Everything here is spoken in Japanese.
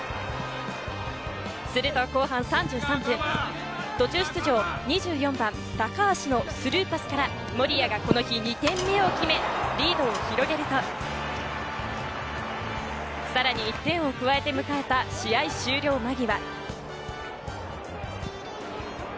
すると後半３３分、途中出場２４番・高橋のスルーパスから守屋がこの日、２点目を決め、リードを広げると、さらに１点を加えて迎えた試合終了間際。